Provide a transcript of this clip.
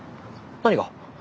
何が？